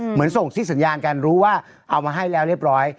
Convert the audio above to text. เหมือนส่งสิทธิ์สัญญากันรู้ว่าเอามาให้แล้วเรียบร้อย